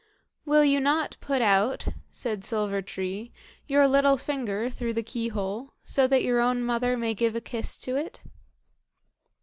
"Will you not put out," said Silver tree, "your little finger through the key hole, so that your own mother may give a kiss to it?"